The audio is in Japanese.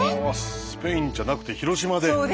スペインじゃなくて広島で！